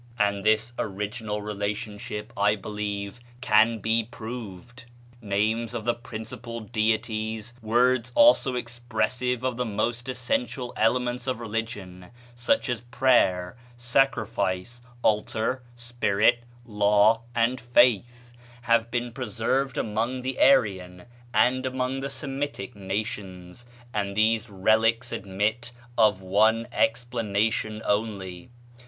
And this original relationship, I believe, can be proved. Names of the principal deities, words also expressive of the most essential elements of religion, such as prayer, sacrifice, altar, spirit, law, and faith, have been preserved among the Aryan and among the Semitic nations, and these relics admit of one explanation only.